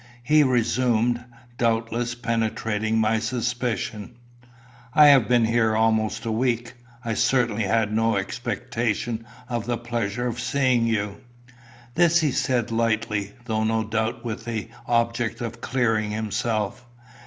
He resumed, doubtless penetrating my suspicion "I have been here almost a week. I certainly had no expectation of the pleasure of seeing you." This he said lightly, though no doubt with the object of clearing himself.